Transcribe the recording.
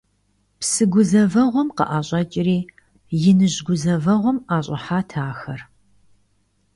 Псы гузэвэгъуэм къыӀэщӀэкӀри иныжь гузэвэгъуэм ӀэщӀыхьат ахэр.